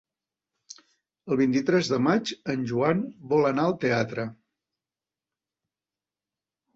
El vint-i-tres de maig en Joan vol anar al teatre.